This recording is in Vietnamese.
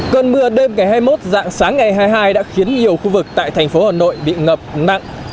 cơn mưa đêm ngày hai mươi một dạng sáng ngày hai mươi hai đã khiến nhiều khu vực tại thành phố hà nội bị ngập nặng